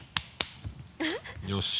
よし。